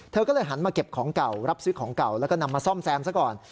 เธอก็เลยหันมาเก็บของเก่ารับซื้อของเก่าแล้วก็นำมาซ่อมแซมซะก่อน